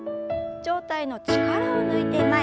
上体の力を抜いて前。